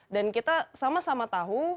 dan kita sama sama tahu